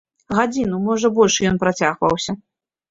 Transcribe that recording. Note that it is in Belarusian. Гадзіну, можа больш ён працягваўся.